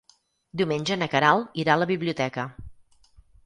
Diumenge na Queralt irà a la biblioteca.